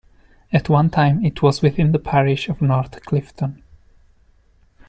At one time it was within the parish of North Clifton.